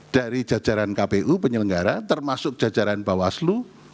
dari jajaran kpu penyelenggara termasuk jajaran bawaslu